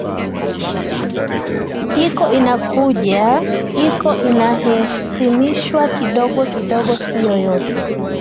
iko inakuja iko inahesimishwa kidogo kidogo sio yote